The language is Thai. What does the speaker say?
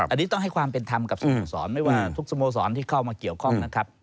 อันนี้ต้องให้ความเป็นธรรมกับสโมสรไม่ว่าทุกสโมสรที่เข้ามาเกี่ยวข้องนะครับ